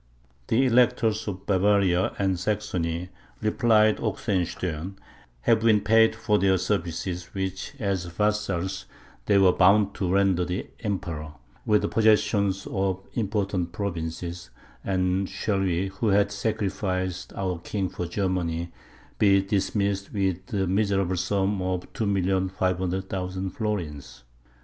"The Electors of Bavaria and Saxony," replied Oxenstiern, "have been paid for their services, which, as vassals, they were bound to render the Emperor, with the possession of important provinces; and shall we, who have sacrificed our king for Germany, be dismissed with the miserable sum of 2,500,000 florins?"